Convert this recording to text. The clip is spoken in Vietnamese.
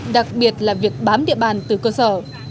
đặc biệt là việc bám địa bàn từ cơ sở